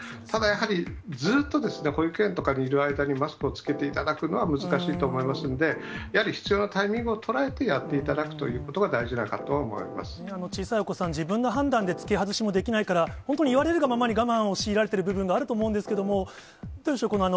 ただやはり、ずっとですね、保育園とかにいる間にマスクを着けていただくのは難しいと思いますんで、やはり必要なタイミングを捉えてやっていただくということが大事小さいお子さん、自分の判断で着け外しもできないから、本当に言われるがままに、我慢を強いられている部分があると思うんですけれども、どうでしょう。